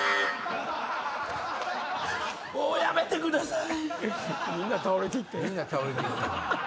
もうやめてください。